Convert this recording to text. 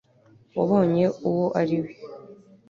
wabonye uwo ari we